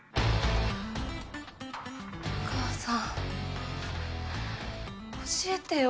お母さん教えてよ。